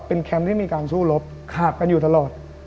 เป็นแคมป์ที่มีการสู้รบขาดกันอยู่ตลอด